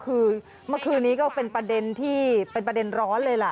คือเมื่อคืนนี้ก็เป็นประเด็นที่เป็นประเด็นร้อนเลยล่ะ